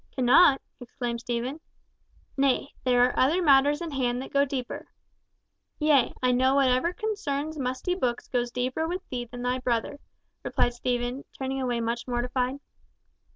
"Cannot!" exclaimed Stephen. "Nay, there are other matters in hand that go deeper." "Yea, I know whatever concerns musty books goes deeper with thee than thy brother," replied Stephen, turning away much mortified.